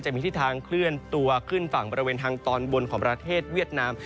มีทิศทางเคลื่อนตัวขึ้นฝั่งบริเวณทางตอนบนของประเทศเวียดนาม